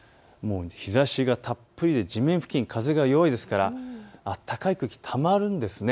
日ざしがたっぷりで地面付近、風が弱いですから暖かい空気がたまるんです。